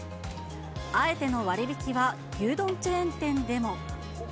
あえての割引は牛丼チェーン店でも。